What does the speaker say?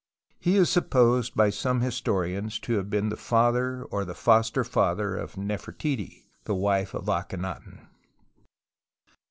He is supposed by some historians to have been the father or the foster father of Nefertiti, the wife of Aklienaton.